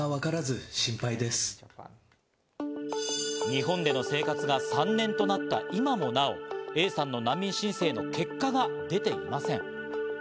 日本での生活が３年となった今もなお、Ａさんの難民申請の結果が出ていません。